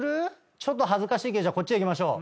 ちょっと恥ずかしいけどこっちでいきましょう。